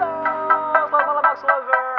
selamat malam okslover